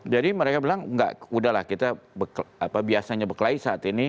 jadi mereka bilang enggak udah lah kita biasanya bekelahi saat ini